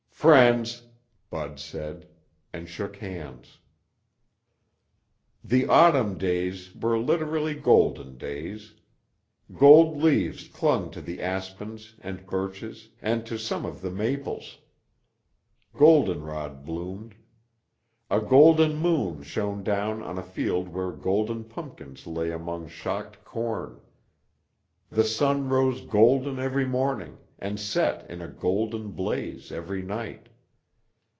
"Friends," Bud said, and shook hands. The autumn days were literally golden days. Gold leaves clung to the aspens and birches and to some of the maples. Goldenrod bloomed. A golden moon shone down on a field where golden pumpkins lay among shocked corn. The sun rose golden every morning and set in a golden blaze every night.